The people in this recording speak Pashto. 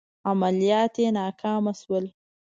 عملیات یې ناکام شول.